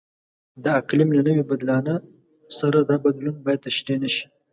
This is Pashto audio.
د اقلیم له نوي بدلانه سره دا بدلون باید تشریح نشي.